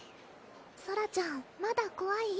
ソラちゃんまだこわい？